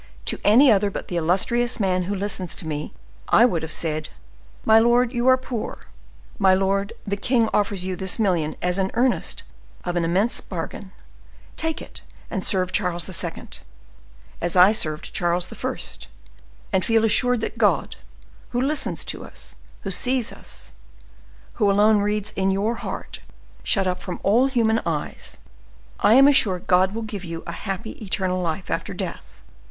To any other but the illustrious man who listens to me, I would have said: 'My lord, you are poor; my lord, the king offers you this million as an earnest of an immense bargain; take it, and serve Charles II. as I served Charles I., and I feel assured that God, who listens to us, who sees us, who alone reads in your heart, shut up from all human eyes,—I am assured God will give you a happy eternal life after death.